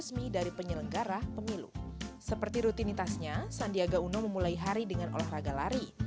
seperti rutinitasnya sandiaga uno memulai hari dengan olahraga lari